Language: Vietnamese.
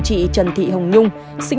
chị trần thị hồng nhung